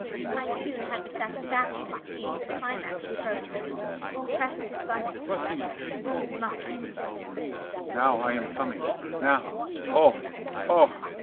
I soon had the satisfaction of seeing the climax approach. He pressed his buttocks together, his muscles stiffened.